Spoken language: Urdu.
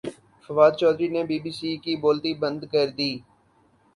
فواد چوہدری نے بی بی سی کی بولتی بند کردی